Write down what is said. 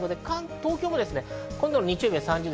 東京も今度の日曜は３０度。